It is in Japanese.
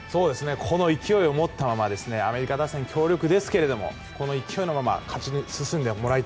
この勢いを持ったままアメリカ打線、強力ですがこの勢いのまま勝ち進んでほしい。